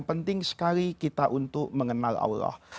penting sekali kita untuk mengenal allah